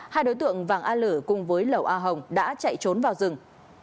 hai đối tượng vàng a lử cùng với lẩu a hồng đã chạy trốn vào rừng